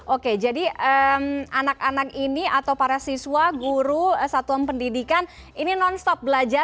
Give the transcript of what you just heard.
oke jadi anak anak ini atau para siswa guru satuan pendidikan ini non stop belajar